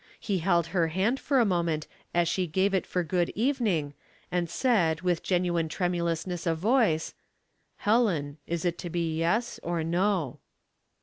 He held her hand for a moment as she gave it for good evening, and said, with genuine tremulous ness of voice, —" Helen, is it to be yes, or no